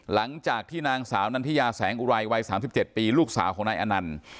หลังจากที่นางสาวนันทิยาแสงอุไรวัย๓๗ปีลูกสาวของนายอนันต์